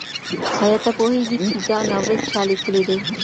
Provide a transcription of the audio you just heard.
آیا ته پوهېږې چي دا ناول چا لیکلی دی؟